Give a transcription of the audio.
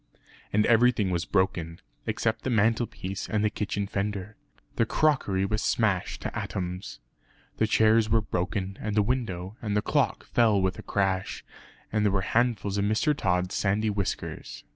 And everything was broken, except the mantelpiece and the kitchen fender. The crockery was smashed to atoms. The chairs were broken, and the window, and the clock fell with a crash, and there were handfuls of Mr. Tod's sandy whiskers.